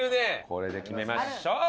これで決めましょう！